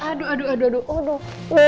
aduh aduh aduh aduh